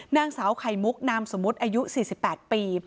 นางสาวไข่มุกนามสมมุติอายุ๔๘ปี